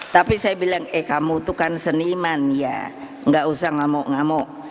tapi saya bilang eh kamu itu kan seniman ya nggak usah ngamuk ngamuk